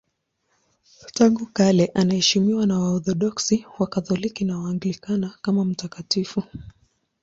Tangu kale anaheshimiwa na Waorthodoksi, Wakatoliki na Waanglikana kama mtakatifu.